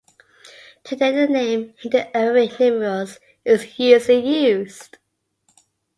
Today the name "Hindu-Arabic numerals" is usually used.